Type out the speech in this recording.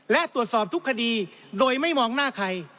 และตรวจสอบทุกคดีโดยไม่มองหน้าใคร